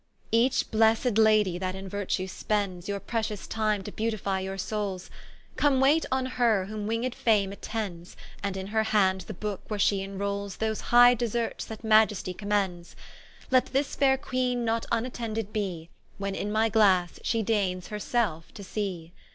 _______________________________ E Ach blessed Lady that in Virtue spends Your pretious time to beautifie your soules; Come wait on her whom winged Fame attends And in hir hand the Booke where she inroules Those high deserts that Maiestie commends: Let this faire Queene not vnattended bee, When in my Glasse she daines her selfe to see.